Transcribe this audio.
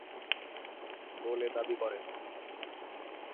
বলে দাবি করেন।